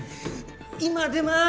今出ます。